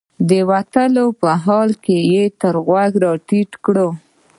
د وتلو په حال کې یې تر غوږ راټیټ کړل.